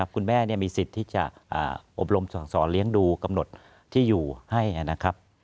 คุณแม่มีสิทธิ์ที่จะอบรมสั่งสอนเลี้ยงดูกำหนดที่อยู่ให้นะครับ